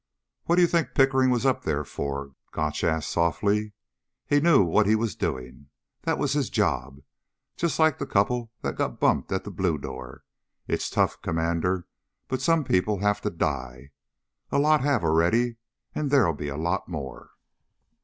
"What do you think Pickering was up there for?" Gotch asked softly. "He knew what he was doing. That was his job. Just like the couple that got bumped at the Blue Door. It's tough, Commander, but some people have to die. A lot have, already, and there'll be a lot more."